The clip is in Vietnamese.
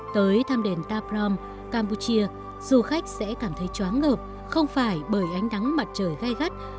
tới tham đền ta prohm campuchia du khách sẽ cảm thấy choáng ngợp không phải bởi ánh đắng mặt trời gai gắt